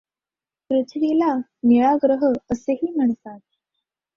पृथ्वीला निळा ग्रह असेही म्हणतात.